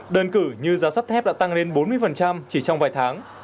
đơn cử như giá sắt thép đã tăng lên bốn mươi chỉ trong vài tháng